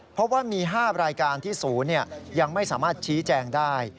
เพราะว่ามี๕รายการที่ศูนย์ยังไม่สามารถชี้แจงได้